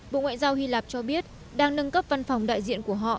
bộ ngoại giao hy lạp cho biết đang nâng cấp văn phòng đại diện của họ